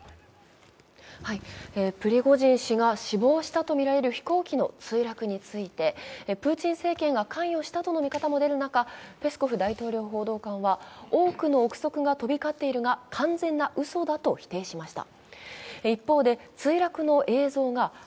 プリゴジン氏が死亡したとみられる飛行機の墜落について、プーチン政権が関与したとの見方も出る中、ペスコフ大統領報道官は多くの臆測が飛び交っているが完全な嘘だと報じました。